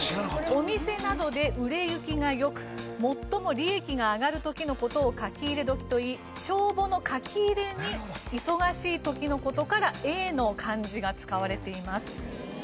お店などで売れ行きが良く最も利益が上がる時の事を「かきいれ時」といい帳簿の書き入れに忙しい時の事からＡの漢字が使われています。